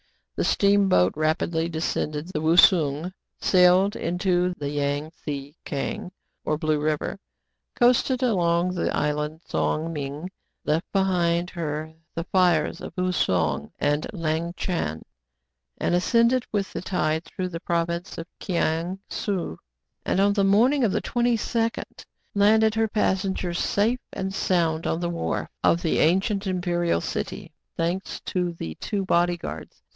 The steamboat rapidly descended the Wousung, sailed into the Yang Tse Kiang, or Blue River, coasted along the island Tsong Ming, left behind her the fires of Ou Song and Lang Chan, and ascended with the tide through the province of Kiang Sou, and, on the morning of the 22d, landed her passengers safe and sound on the wharf of the ancient imperial city. Thanks to the two body guards.